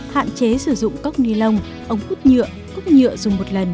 hạn chế sử dụng cốc ni lông ống hút nhựa cúc nhựa dùng một lần